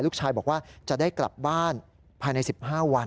ลูกชายบอกว่าจะได้กลับบ้านภายใน๑๕วัน